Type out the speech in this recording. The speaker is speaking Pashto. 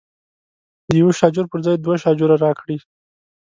د یوه شاجور پر ځای دوه شاجوره راکړي.